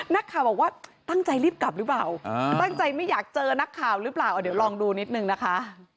นักข่าวบอกว่าตั้งใจรีบกลับหรือเปล่าตั้งใจไม่อยากเจอนักข่าวก็ลองดูนิดหนึ่งนะคะ